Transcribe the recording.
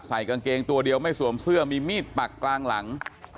กางเกงตัวเดียวไม่สวมเสื้อมีมีดปักกลางหลัง